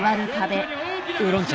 ウーロン茶。